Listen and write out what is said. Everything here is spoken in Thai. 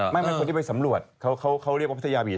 ไม่เป็นคนที่ไปสำรวจเขาเรียกว่าพัทยาบีท